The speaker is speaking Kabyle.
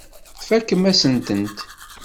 Tfakem-asent-tent.